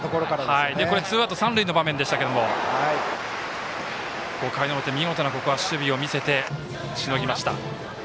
そしてツーアウト三塁の場面でしたが５回の表、見事な守備を見せてしのぎました。